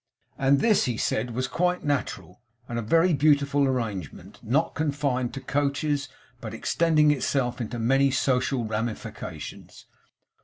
And this, he said, was quite natural, and a very beautiful arrangement; not confined to coaches, but extending itself into many social ramifications.